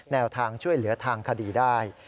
แนวทางช่วยเหลือทางคดีได้